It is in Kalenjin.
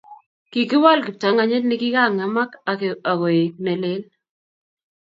Kikiwal kiptanganyit nekikang'emak ak koek nelel